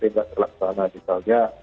tidak terlaksana misalnya